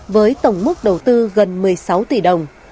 với tổng mức đầu tư gần một mươi sáu